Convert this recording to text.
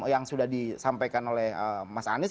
yang sudah disampaikan oleh mas anies